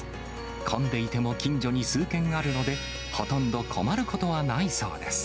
混んでいても近所に数件あるので、ほとんど困ることはないそうです。